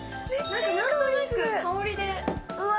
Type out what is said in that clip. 何か何となく香りでうわ